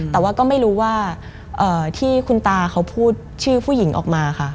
แต่ว่าก็ไม่รู้ว่าที่คุณตาเขาพูดชื่อผู้หญิงออกมาค่ะ